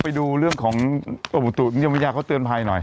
ไปดูเรื่องของกรมอุตุนิยมวิทยาเขาเตือนภัยหน่อย